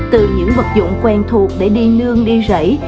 từ những vật dụng quen thuộc để đi nương đi rẫy